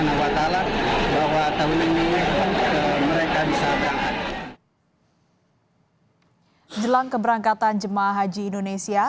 tahun ini mereka bisa berangkat hai hai hai sejelang keberangkatan jemaah haji indonesia